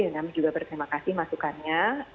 kami juga berterima kasih masukannya